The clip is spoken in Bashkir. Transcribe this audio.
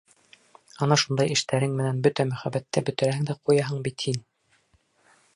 Ана шундай эштәрең менән бөтә мөхәббәтте бөтөрәһең дә ҡуяһың бит һин!